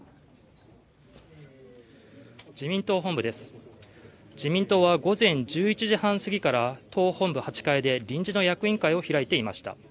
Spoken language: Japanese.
自民党は午前１１時半過ぎから党本部８階で臨時の役員会を開いていました。